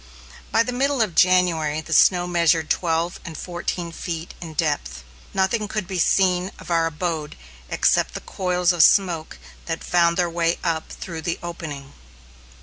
By the middle of January the snow measured twelve and fourteen feet in depth. Nothing could be seen of our abode except the coils of smoke that found their way up through the opening.